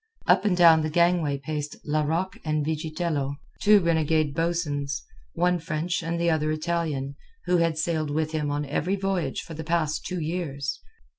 Up and down the gangway paced Larocque and Vigitello, two renegade boatswains, one French and the other Italian, who had sailed with him on every voyage for the past two years.